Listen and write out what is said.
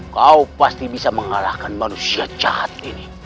kau pasti bisa mengalahkan manusia jahat ini